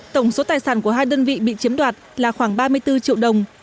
tổng số tài sản của hai đơn vị bị chiếm đoạt là khoảng ba mươi bốn triệu đồng